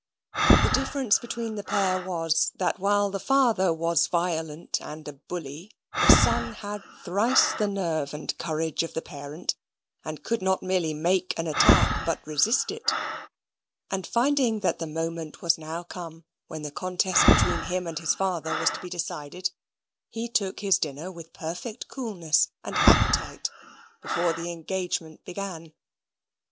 The difference between the pair was, that while the father was violent and a bully, the son had thrice the nerve and courage of the parent, and could not merely make an attack, but resist it; and finding that the moment was now come when the contest between him and his father was to be decided, he took his dinner with perfect coolness and appetite before the engagement began.